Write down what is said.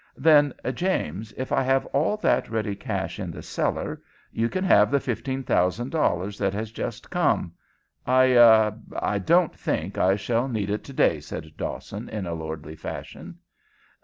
"Then, James, if I have all that ready cash in the cellar, you can have the $15,000 that has just come. I ah I don't think I shall need it to day," said Dawson, in a lordly fashion.